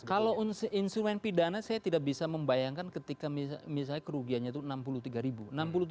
kalau instrumen pidana saya tidak bisa membayangkan ketika misalnya kerugiannya itu enam puluh tiga ribu